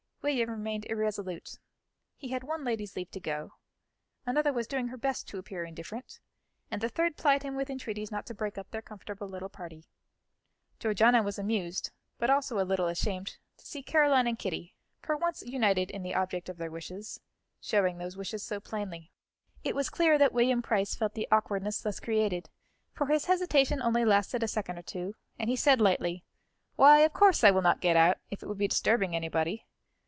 William remained irresolute; he had one lady's leave to go, another was doing her best to appear indifferent, and the third plied him with entreaties not to break up their comfortable little party. Georgiana was amused, but also a little ashamed to see Caroline and Kitty, for once united in the object of their wishes, showing those wishes so plainly. It was clear that William Price felt the awkwardness thus created, for his hesitation only lasted a second or two, and he said lightly: "Why, of course, I will not get out, if it would be disturbing anybody.